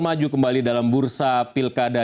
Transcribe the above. maju kembali dalam bursa pilkada